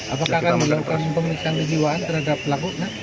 apakah akan melakukan pemeriksaan kejiwaan terhadap pelaku